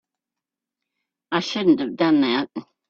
I shouldn't have done that.